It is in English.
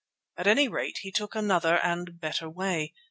At any rate, he took another and better way.